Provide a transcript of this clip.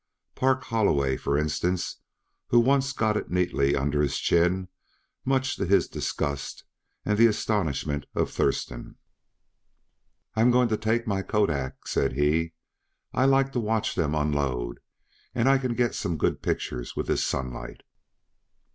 Park Holloway, for instance, who once got it neatly under his chin, much to his disgust and the astonishment of Thurston. "I'm going to take my Kodak," said he. "I like to watch them unload, and I can get some good pictures, with this sunlight."